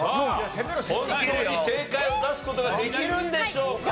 本当に正解を出す事ができるんでしょうか？